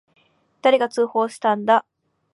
誰が通報したんだ。